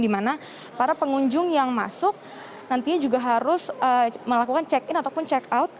di mana para pengunjung yang masuk nantinya juga harus melakukan check in ataupun check out